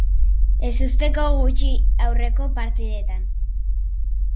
Ezusteko gutxi aurreneko partidetan.